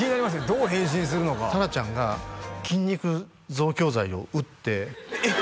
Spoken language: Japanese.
どう変身するのかタラちゃんが筋肉増強剤を打ってえっ？